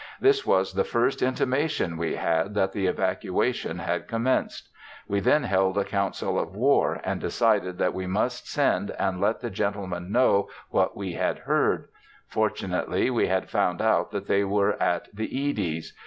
This was the first intimation we had that the evacuation had commenced. We then held a council of war, and decided that we must send and let the gentlemen know what we had heard; fortunately we had found out that they were at the Eady's.